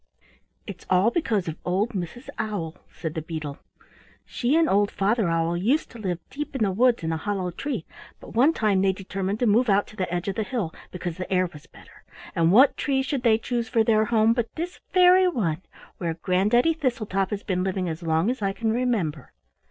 "It's all because of old Mrs. Owl," said the beetle. "She and old Father Owl used to live deep in the woods in a hollow tree, but one time they determined to move out to the edge of the hill, because the air was better, and what tree should they choose for their home but this very one where Granddaddy Thistletop has been living as long as I can remember.